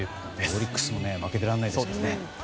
オリックスも負けてられないですよね。